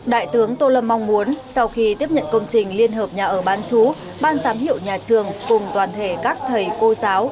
đại tướng tô lâm mong muốn sau khi tiếp nhận công trình liên hợp nhà ở bán chú ban giám hiệu nhà trường cùng toàn thể các thầy cô giáo